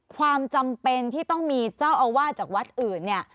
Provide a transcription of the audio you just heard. ความจำเป็นที่ต้องมีเจ้าอาวาสจากวัดอื่นเนี่ย